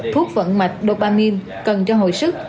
thuốc phận mạch dopamine cần cho hồi sức